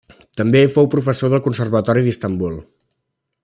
També fou professor del Conservatori d'Istanbul.